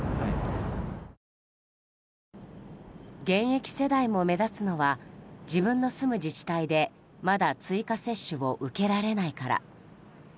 現役世代も目立つのは自分の住む自治体でまだ追加接種を受けられないから。